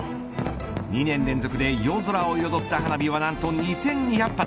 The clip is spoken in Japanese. ２年連続で夜空を彩った花火は何と２２００発。